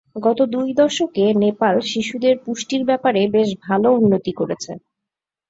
গত দুই দশকে নেপাল শিশুদের পুষ্টির ব্যাপারে বেশ ভাল উন্নতি করেছে।